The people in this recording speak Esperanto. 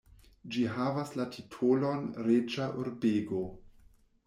Ĝi havas la titolon reĝa urbego.